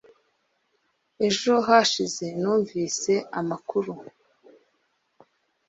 Ejo hashize numvise amakuru